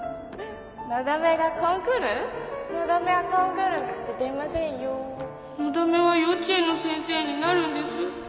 のだめがコンクール？のだめはコンクールなんて出ませんよーのだめは幼稚園の先生になるんです